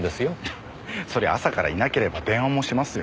そりゃ朝からいなければ電話もしますよ。